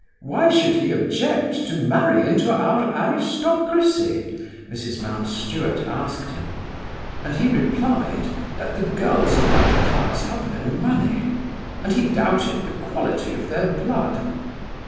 Why should he object to marry into our aristocracy? Mrs. Mountstuart asked him, and he replied that the girls of that class have no money, and he doubted the quality of their blood.